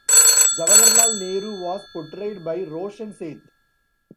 Jawaharlal Nehru was portrayed by Roshan Seth.